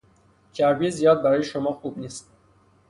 چربی زیاد برای شما خوب نیست.